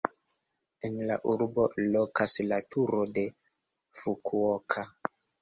En la urbo lokas la Turo de Fukuoka.